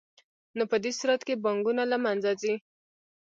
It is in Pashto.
نو په دې صورت کې بانکونه له منځه ځي